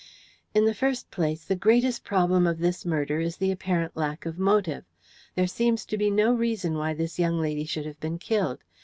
"In the first place, the greatest problem of this murder is the apparent lack of motive. There seems to be no reason why this young lady should have been killed.